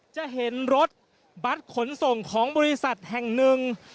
จะเห็นรถบัตรขนส่งของบริษัทแห่งหนึ่ง